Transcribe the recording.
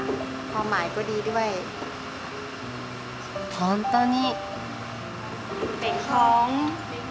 本当に。